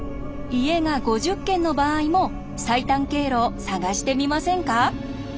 家が５０軒の場合も最短経路を探してみませんか？